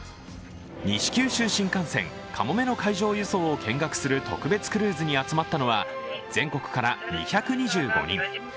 西九州新幹線かもめの海上輸送を見学する特別クルーズに集まったのは、全国から２２５人。